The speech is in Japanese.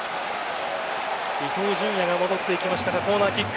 伊東純也が戻ってきましたがコーナーキック。